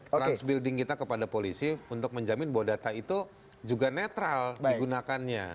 transbuilding kita kepada polisi untuk menjamin bahwa data itu juga netral digunakannya